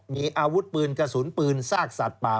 มีอาวุธปืนกระสุนปืนซากสัตว์ป่า